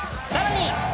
［さらに！